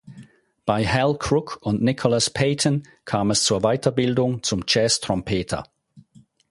Bei Hal Crook und Nicholas Payton kam es zur Weiterbildung zum Jazztrompeter.